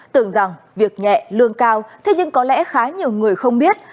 tưởng rằng việc nhẹ lương cao thế nhưng có lẽ khá nhiều người không biết